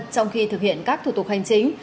trong khi thực hiện các thủ tục hành chính